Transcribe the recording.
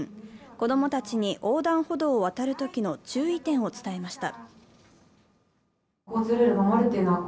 子供たちに横断歩道を渡るときの注意点を伝えました。